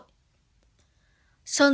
sơn rêu sáng